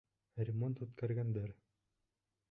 Ремонт үткәргәндәр.